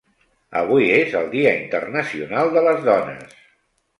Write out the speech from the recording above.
Avui és el dia internacional de les dones.